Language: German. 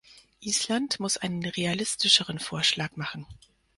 Island muss einen realistischeren Vorschlag machen.